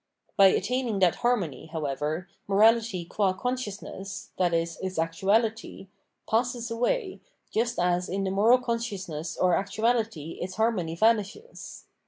By attaining that harmony, however, morality qua consciousness, i.e. its actuality, passes away, pist as in the moral consciousness or actuality its harmony vanishes.